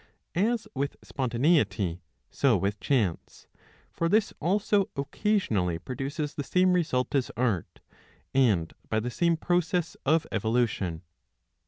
%\s with spontaneity,^ so with chance ; for this also occasionally produces the same result as art, and by the same process of evolution.